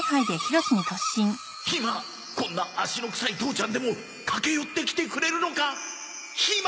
こんな足のくさい父ちゃんでも駆け寄って来てくれるのか！ひま！